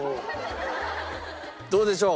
どうでしょう？